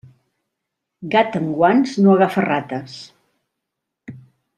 Gat amb guants no agafa rates.